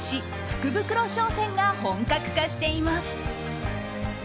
福袋商戦が本格化しています。